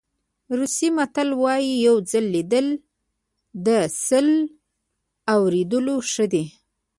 روسي متل وایي یو ځل لیدل له سل اورېدلو ښه دي.